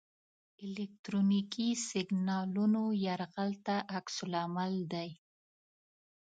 الکترونیکي سیګنالونو یرغل ته عکس العمل دی.